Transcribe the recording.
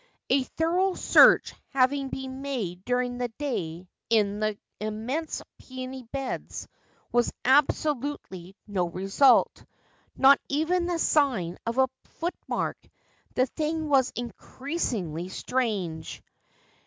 A thorough search having been made during the day in the immense peony beds with absolutely no result, not even the sign of a footmark, the thing was increasingly strange.